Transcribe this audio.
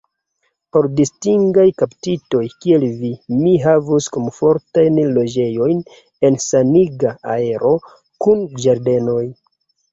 Por distingaj kaptitoj, kiel vi, mi havus komfortajn loĝejojn en saniga aero, kun ĝardenoj.